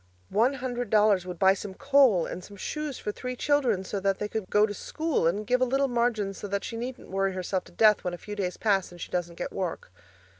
One hundred dollars would buy some coal and some shoes for three children so that they could go to school, and give a little margin so that she needn't worry herself to death when a few days pass and she doesn't get work.